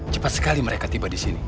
cepat sekali mereka tiba disini